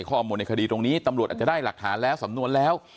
ข้อมูลในคดีตรงนี้ตำรวจอาจจะได้หลักฐานแล้วสำนวนแล้ว